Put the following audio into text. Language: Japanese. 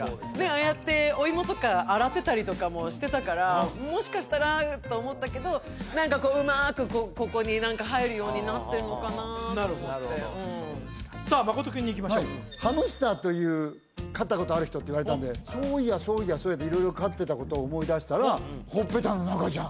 ああやってお芋とか洗ってたりとかもしてたからもしかしたらと思ったけど何かこううまくここに入るようになってるのかなと思ってなるほどさあ真君にいきましょうハムスターという飼ったことある人って言われたんでそういやそういやそういやって色々飼ってたことを思い出したらほっぺたの中じゃん！